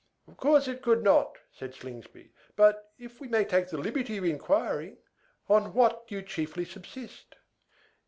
"Of course it could not," said Slingsby. "But, if we may take the liberty of inquiring, on what do you chiefly subsist?"